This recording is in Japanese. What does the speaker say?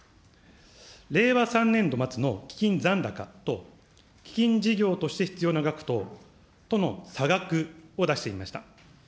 令和３年度末の基金残高と、基金事業として必要な額との差額を出してみました。